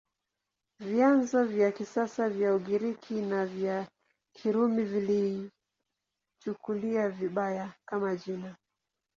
Vyanzo vya kisasa vya Ugiriki na vya Kirumi viliichukulia vibaya, kama jina.